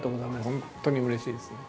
本当にうれしいですね。